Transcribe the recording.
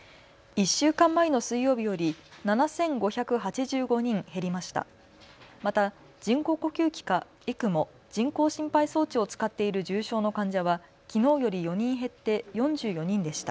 １週間前の水曜日より７５８５人減りました。